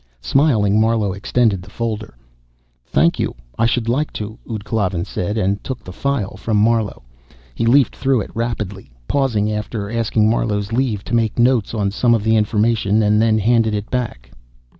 Smiling, Marlowe extended the folder. "Thank you, I should like to," ud Klavan said, and took the file from Marlowe. He leafed through it rapidly, pausing, after asking Marlowe's leave, to make notes on some of the information, and then handed it back.